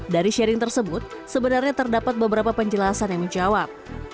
dari sharing tersebut sebenarnya terdapat beberapa penjelasan yang menjawab